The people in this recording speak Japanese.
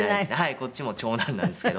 こっちも長男なんですけど。